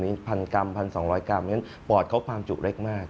มี๑๐๐๐กรัม๑๒๐๐กรัมอย่างนั้นปอดเขาความจุเล็กมาก